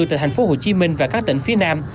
tại tp hcm và các tỉnh phía nam